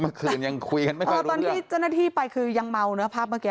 เมื่อคืนยังคุยกันไม่พอตอนที่เจ้าหน้าที่ไปคือยังเมานะภาพเมื่อกี้